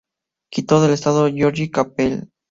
Quito del Estadio George Capwell.